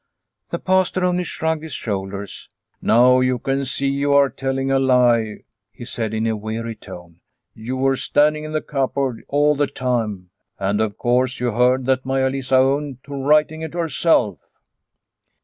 The Pastor only shrugged his shoulders. " Now you can see you are telling a lie," he said in a weary tone. " You were standing in the cupboard all the time, and, of course, you heard that Maia Lisa owned to writing it herself."